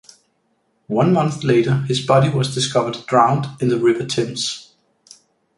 One month later his body was discovered drowned in the River Thames.